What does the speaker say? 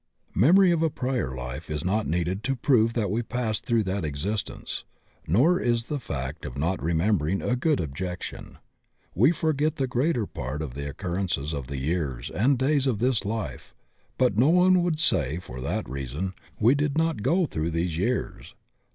Memory of a prior life is not needed to prove that we passed through that existence, nor is the fact of not remembering a good objection. We forget the greater part of the occurrences of the years and days of tibis life, but no one would say for that reason we did not* go through these years.